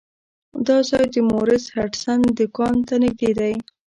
دا ځای د مورس هډسن دکان ته نږدې دی.